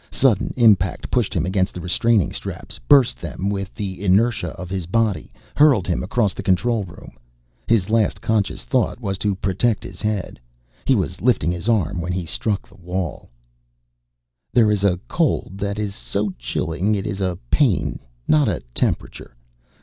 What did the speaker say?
Sudden impact pushed him against the restraining straps, burst them with the inertia of his body, hurled him across the control room. His last conscious thought was to protect his head. He was lifting his arm when he struck the wall. There is a cold that is so chilling it is a pain not a temperature.